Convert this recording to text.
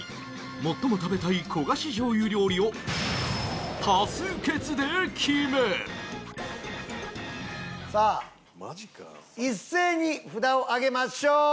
最も食べたい焦がし醤油料理を多数決で決めるさあ一斉に札を上げましょう。